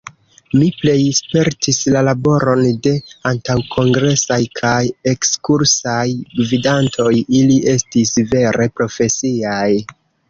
Mi plej spertis la laboron de antaŭkongresaj kaj ekskursaj gvidantoj: ili estis vere profesiaj.